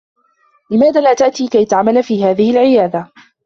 لماذا لا تأتي كي تعمل في هذه العيادة؟